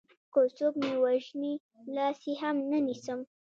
که څوک مې وژني لاس يې هم نه نيسم